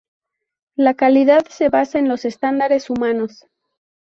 La calidad se basa en los estándares humanos.